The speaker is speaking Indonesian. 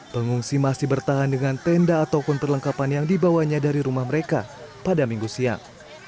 pengungsi masih bertahan dengan tenda ataupun perlengkapan yang dibawanya dari rumah mereka pada minggu siang